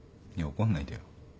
怒んないでよ。